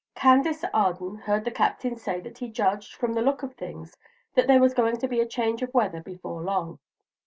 Candace Arden heard the Captain say that he judged, from the look of things, that there was going to be a change of weather before long.